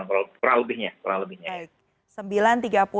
pesong sembilan tiga puluh an kurang lebihnya